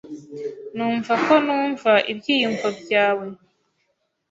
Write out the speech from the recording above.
Numva ko numva ibyiyumvo byawe.